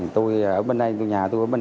tôi ở bên đây nhà tôi ở bên đó